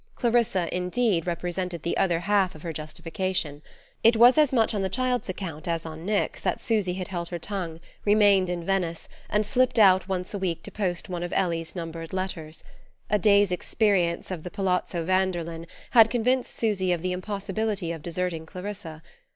Clarissa, indeed, represented the other half of her justification: it was as much on the child's account as on Nick's that Susy had held her tongue, remained in Venice, and slipped out once a week to post one of Ellie's numbered letters. A day's experience of the Palazzo Vanderlyn had convinced Susy of the impossibility of deserting Clarissa.